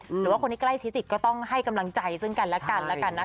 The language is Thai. หรือว่าคนที่ใกล้ชิดติดก็ต้องให้กำลังใจซึ่งกันและกันแล้วกันนะคะ